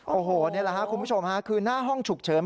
โอ้โหนี่แหละครับคุณผู้ชมฮะคือหน้าห้องฉุกเฉิน